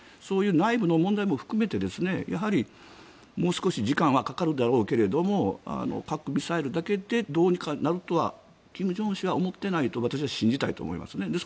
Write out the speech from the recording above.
そういう内部の問題も含めてもう少し時間はかかるだろうけれども核ミサイルだけでどうにかなるとは金正恩氏は思っていないと私は信じたいと思いますね。